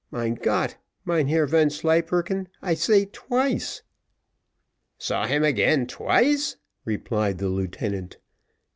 Mein Gott! Mynheer Vanslyperken, I say twice." "Saw him again twice!" replied the lieutenant.